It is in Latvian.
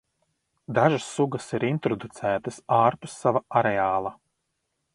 Dažas sugas ir introducētas ārpus sava areāla.